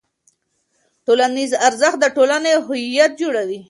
ټولنیز ارزښت د ټولنې هویت جوړوي.